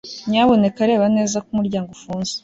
Nyamuneka reba neza ko umuryango ufunze